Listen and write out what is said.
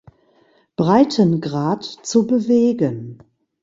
Breitengrad zu bewegen.